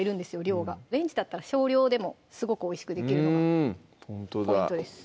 量がレンジだったら少量でもすごくおいしくできるのがポイントです